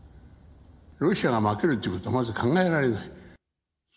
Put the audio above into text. ロシアが負けるってことはまず考えられない。